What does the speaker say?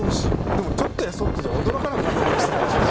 でもちょっとやそっとじゃ驚かなくなってきました。